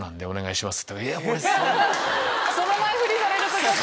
その前ふりされるとちょっと。